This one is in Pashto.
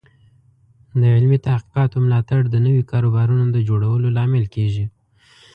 د علمي تحقیقاتو ملاتړ د نوي کاروبارونو د جوړولو لامل کیږي.